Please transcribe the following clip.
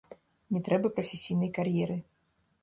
Не трэба прафесійнай кар'еры.